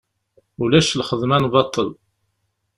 Ulac lxedma n baṭel.